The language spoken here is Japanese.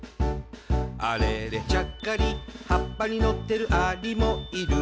「あれれちゃっかり葉っぱにのってるアリもいる」